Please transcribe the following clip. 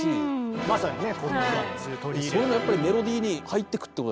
そういうのやっぱりメロディーに入ってくってことですか？